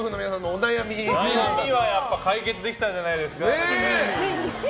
悩みは解決できたんじゃないですか？